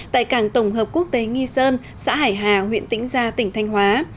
tại cảng tổng hợp quốc tế nghi sơn xã hải hà huyện tĩnh gia tỉnh thanh hóa